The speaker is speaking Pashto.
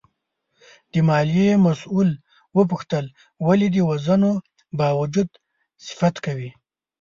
د مالیې مسوول وپوښتل ولې د وژنو باوجود صفت کوې؟